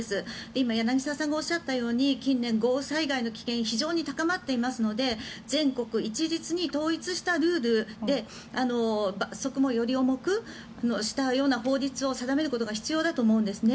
今柳澤さんがおっしゃったように近年は豪雨災害の危険非常に高まっていますので全国一律に統一したルールで罰則もより重くしたような法律を定めることが必要だと思うんですね。